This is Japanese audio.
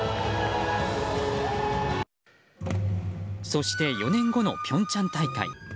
そして４年後の平昌大会。